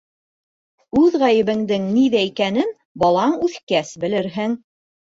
Үҙ ғәйебеңдең ниҙә икәнен, балаң үҫкәс белерһең.